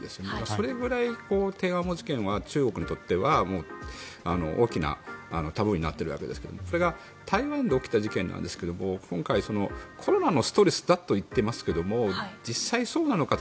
それぐらい、天安門事件は中国にとっては大きなタブーになっているわけですがそれが台湾で起きた事件なんですが今回、コロナのストレスだと言っていますけど実際、そうなのか。